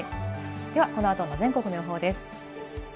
ではこの後の全国の予報です。